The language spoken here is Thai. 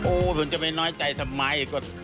โอ้โหผมจะไปน้อยใจทำไม